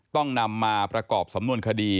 ต้องนำมาประกอบสำนวนคดี